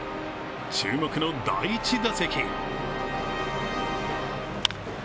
注目の第１打席。